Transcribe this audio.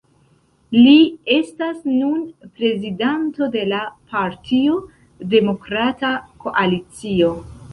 Li estas nun prezidanto de la partio Demokrata Koalicio.